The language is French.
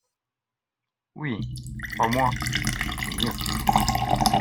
Oui, trois mois, c’est mieux.